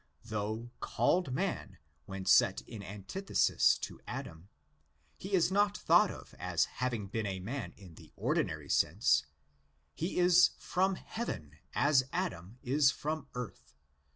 Though called ''man'' when set in antithesis to Adam, he is not thought of as having been a man in the ordinary sense; he is from heaven as Adam is from earth (xv.